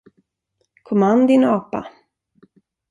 Kom an, din apa!